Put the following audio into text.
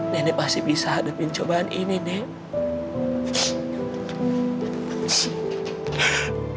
nenek pasti bisa hadapin cobaan ini nek